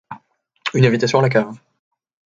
Une invitation à la cave.